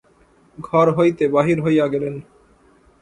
ঘর হইতে বাহির হইয়া গেলেন।